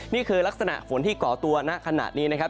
นี่คือลักษณะฝนที่ก่อตัวณขณะนี้นะครับ